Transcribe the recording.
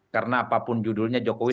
karena apapun judulnya jokowi